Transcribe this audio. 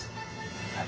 はい。